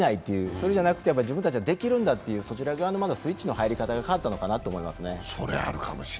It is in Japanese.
そうじゃなくて、自分たちはできるというそちら側のスイッチの入り方が変わったのかなと思いますね。